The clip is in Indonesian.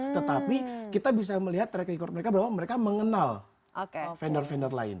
tetapi kita bisa melihat track record mereka bahwa mereka mengenal vendor vendor lain